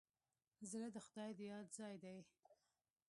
زړه د خدای د یاد ځای دی.